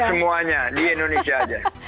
semuanya di indonesia aja